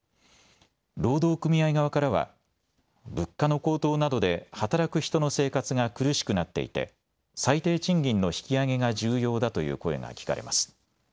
労働組合側からは物価の高騰などで働く人の生活が苦しくなっていて最低賃金の引き上げが重要だという声が聞かれます。